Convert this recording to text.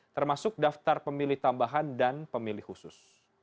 termasuk daftar pemilih tambahan dan pemilih khusus